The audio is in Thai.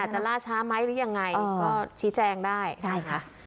อาจจะล่าช้าไม้หรือยังไงก็ชี้แจงได้